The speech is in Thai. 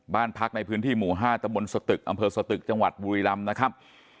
บ้านพักในพื้นที่หมู่๕ตะบนสตึกอำเภอสตึกจังหวัดบุรีรำนะครับ